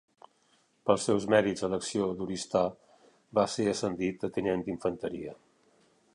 Pels seus mèrits a l'acció d'Oristà va ser ascendit a tinent d'Infanteria.